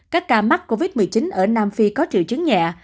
các ca mắc covid một mươi chín ở nam phi có triệu chứng nhẹ